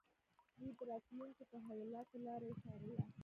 دوی د راتلونکو تحولاتو لاره يې څارله.